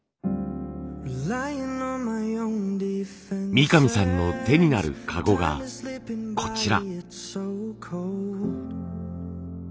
三上さんの手になる籠がこちら。